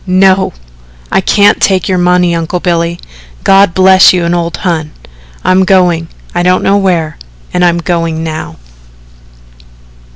"No, I can't take your money, Uncle Billy God bless you and old Hon I'm going I don't know where and I'm going now."